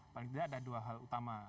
paling tidak ada dua hal utama